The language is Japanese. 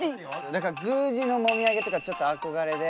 だから宮司のもみあげとかちょっと憧れで。